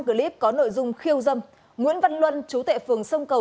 clip có nội dung khiêu dâm nguyễn văn luân chú tệ phường sông cầu